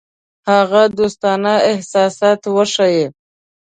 هغه دوستانه احساسات وښيي.